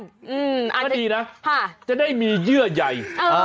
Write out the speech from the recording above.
ก็ดีนะจะได้มีเยื่อใหญ่